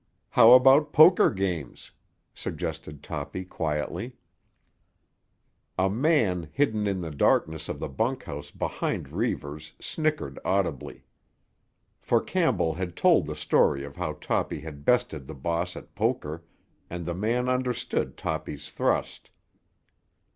"How about poker games?" suggested Toppy quietly. A man hidden in the darkness of the bunkhouse behind Reivers snickered audibly; for Campbell had told the story of how Toppy had bested the boss at poker and the man understood Toppy's thrust.